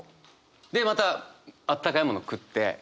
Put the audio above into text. でまたあったかいもの食って。